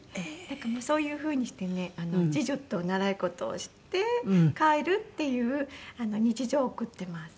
なんかもうそういう風にしてね次女と習い事をして帰るっていう日常を送ってます。